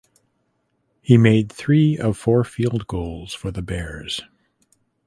He made three of four field goals for the Bears.